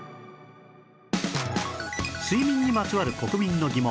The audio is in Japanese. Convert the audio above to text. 睡眠にまつわる国民の疑問